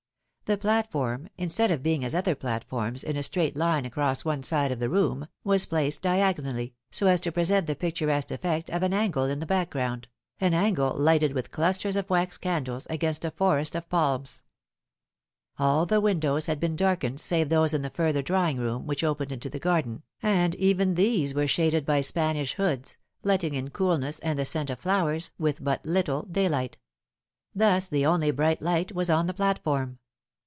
The platform, instead of being as other platforms, in a straight line across one side of the room, was placed diagonally, so as to present the picturesque effect of an angle in the background, an angle lighted with clusters of wax candles, against a forest of palms. All the windows had been darkened save those in the further drawing room, which opened into the garden, and even these were shaded by Spanish hoods, letting in coolness and the scent of flowers, with but little daylight. Thus the only bright light was on the platform.